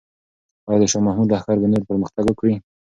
آیا د شاه محمود لښکر به نور پرمختګ وکړي؟